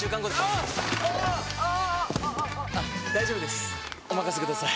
ニャー大丈夫ですおまかせください！